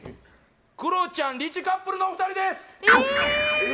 クロちゃんリチカップルのお二人ですえ